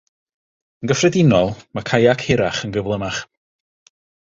Yn gyffredinol, mae caiac hirach yn gyflymach.